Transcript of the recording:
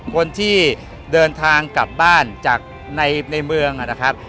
คนที่เดินทางกลับบ้านจากในเมืองนะครับ